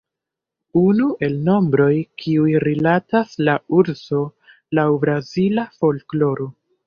Unu el nombroj kiuj rilatas al urso laŭ brazila folkloro.